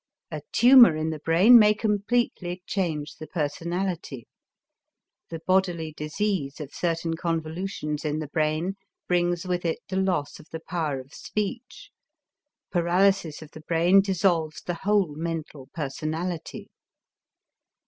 A tumor in the brain may completely change the personality; the bodily disease of certain convolutions in the brain brings with it the loss of the power of speech; paralysis of the brain dissolves the whole mental personality.